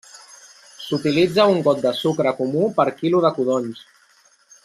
S'utilitza un got de sucre comú per quilo de codonys.